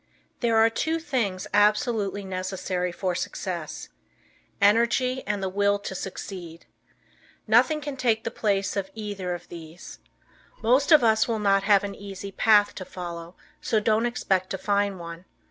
There are two things absolutely necessary for success energy and the will to succeed. Nothing can take the place of either of these. Most of us will not have an easy path to follow so don't expect to find one.